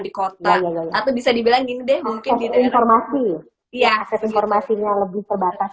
di kota atau bisa dibilang gini deh mungkin di daerah informasi ya informasinya lebih terbatas